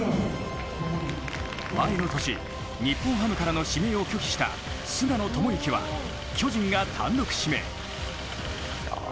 前の年、日本ハムからの指名を拒否した菅野智之は、巨人が単独指名。